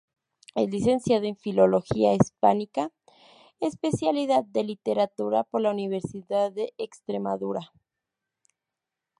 Es licenciado en Filología Hispánica –especialidad de Literatura– por la Universidad de Extremadura.